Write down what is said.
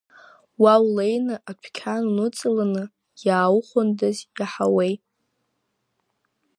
Уа улеины адәқьан уныҵаланы иааухәондаз, иаҳауеи!